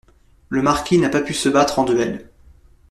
Le marquis n'a pas pu se battre en duel.